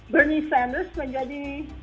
bernie sanders menjadi